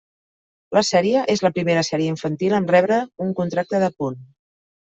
La sèrie és la primera sèrie infantil amb rebre un contracte d'À Punt.